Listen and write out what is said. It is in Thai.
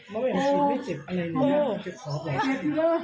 มาแว่งกลัวฉีดไม่เจ็บอะไรเนี่ย